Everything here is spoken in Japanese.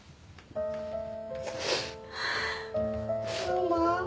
ママ。